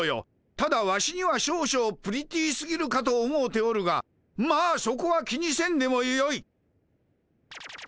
ただワシには少々プリティーすぎるかと思うておるがまあそこは気にせんでもよい。